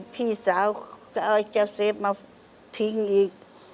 พี่สาวก็เอาเจ้าเซฟมาทิ้งอีก